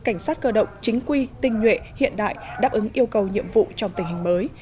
cảnh sát cơ động chính quy tinh nhuệ hiện đại đáp ứng yêu cầu nhiệm vụ trong tình hình mới